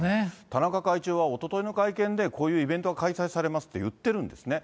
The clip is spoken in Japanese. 田中会長はおとといの会見で、こういうイベントが開催されると言ってるんですね。